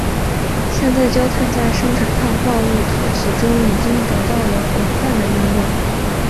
现在焦炭在生产碳化物陶瓷中已经得到了广泛的应用。